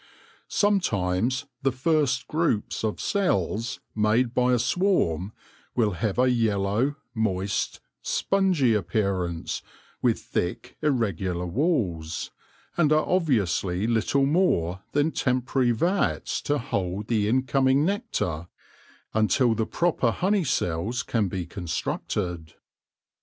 Sometimes the first groups of cells made by a swarm will have a yellow, moist, spon y appearance, with thick, irregular walls, and are obviously little more than temporary vats to hold the incoming nectar until the proper honey cells can be constructed.